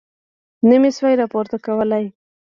نه مې شوای راپورته کولی.